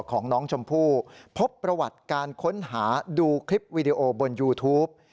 ของน้องชมพู่พบประวัติการค้นหาดูคลิปวีดีโอบนยูทูป